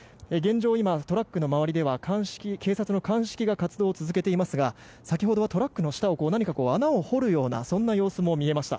トラックの周りでは警察の鑑識が続けていますがトラックの下を穴を掘るような様子が見えました。